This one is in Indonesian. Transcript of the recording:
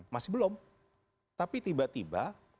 masih belum tapi tiba tiba